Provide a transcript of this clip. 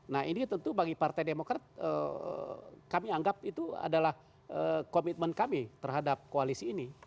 nah ini tentu bagi partai demokrat kami anggap itu adalah komitmen kami terhadap koalisi ini